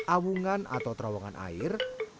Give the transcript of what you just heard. awungan atau terowongan air